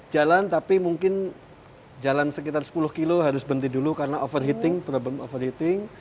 jalan tapi mungkin jalan sekitar sepuluh kilo harus berhenti dulu karena overheating problem overheating